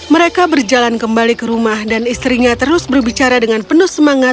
mereka berjalan kembali ke rumah dan istrinya terus berbicara dengan penuh semangat